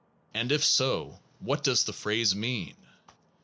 And, if so, what does the phrase mean?